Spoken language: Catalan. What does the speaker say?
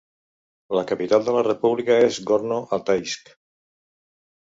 La capital de la república és Gorno-Altaisk.